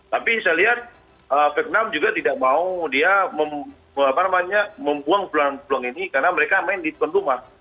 tapi saya lihat pek enam juga tidak mau dia membuang peluang peluang ini karena mereka main di tunduman